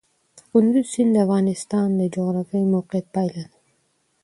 کندز سیند د افغانستان د جغرافیایي موقیعت پایله ده.